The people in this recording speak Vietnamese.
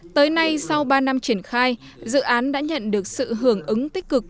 tới nay sau ba năm triển khai dự án đã nhận được sự hưởng ứng tích cực